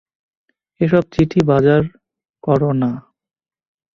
এ-সব চিঠি বাজার কর না।